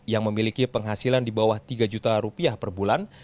yang memiliki penghasilan di bawah tiga juta rupiah per bulan